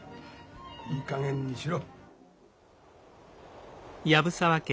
いいかげんにしろ。